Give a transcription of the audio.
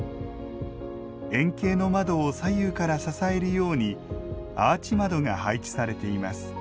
円形の窓を左右から支えるようにアーチ窓が配置されています。